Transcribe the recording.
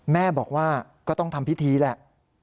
แม่บอกว่าก็ต้องทำพิธีแหละ